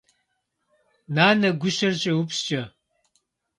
Нанэ гущэр щӏеупскӏэ.